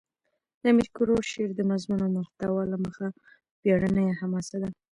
د امیر کروړ شعر دمضمون او محتوا له مخه ویاړنه یا حماسه ده.